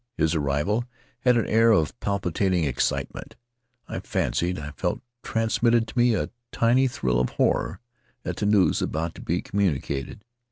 His arrival had an air of palpitating excite ment; I fancied I felt transmitted to me a tiny thrill of horror at the news about to be communicated.